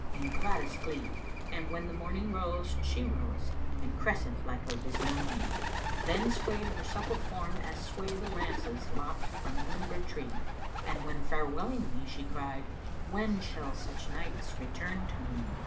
in gladdest glee; And when the morning rose, she rose * And crescent like her visnomy: Then swayed her supple form as sway * The lances lopt from limber tree; And when farewelling me she cried, * 'When shall such nights return to me?'